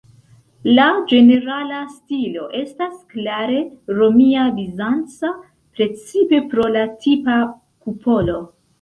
La ĝenerala stilo estas klare romia-bizanca, precipe pro la tipa kupolo.